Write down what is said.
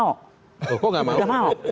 kok nggak mau